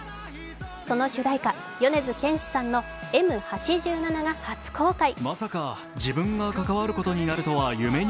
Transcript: その主題歌、米津玄師さんの「Ｍ八七」が初公開。